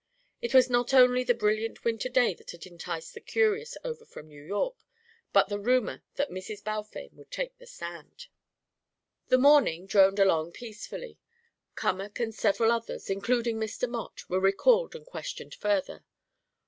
It was not only the brilliant winter day that had enticed the curious over from New York, but the rumour that Mrs. Balfame would take the stand. The morning droned along peacefully. Cummack and several others, including Mr. Mott, were recalled and questioned further.